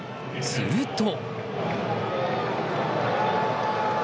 すると。